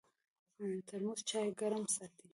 ترموز چای ګرم ساتي.